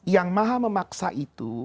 yang maha memaksa itu